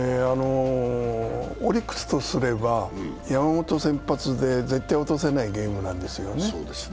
オリックスとすれば、山本先発で絶対落とせないゲームなんですよね。